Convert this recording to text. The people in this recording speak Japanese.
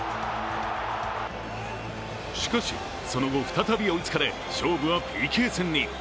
しかし、その後再び追いつかれ、勝負はＰＫ戦に。